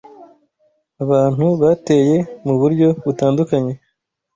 Abantu bateye mu buryo butandukanye